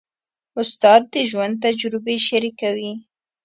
استاد د ژوند تجربې شریکوي.